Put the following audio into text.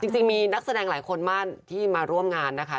จริงมีนักแสดงหลายคนมากที่มาร่วมงานนะคะ